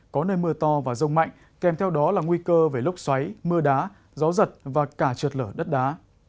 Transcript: có nơi mưa to và rông mạnh kèm theo đó là nguy cơ về lốc xoáy mưa đá gió giật và cả trượt lở đất đá